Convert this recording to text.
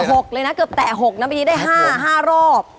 หกเลยนะเกือบแตะหกนะเมื่อกี้ได้ห้าห้ารอบ